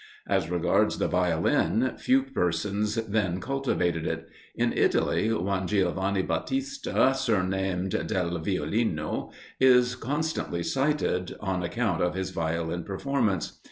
As regards the Violin, few persons then cultivated it. In Italy one Giovanni Battista, surnamed Del Violino, is constantly cited, on account of his Violin performance.